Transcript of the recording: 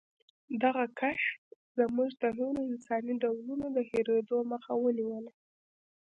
دغه کشف زموږ د نورو انساني ډولونو د هېرېدو مخه ونیوله.